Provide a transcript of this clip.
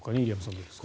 どうですか。